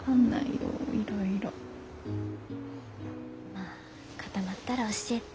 まあ固まったら教えて。